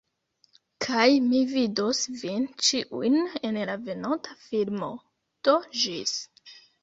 Kaj mi vidos vin ĉiujn en la venonta filmo. Do ĝis.